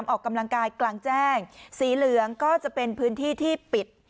ออกกำลังกายกลางแจ้งสีเหลืองก็จะเป็นพื้นที่ที่ปิด